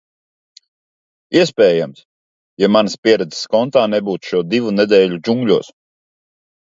Iespējams, ja manas pieredzes kontā nebūtu šo divu nedēļu džungļos.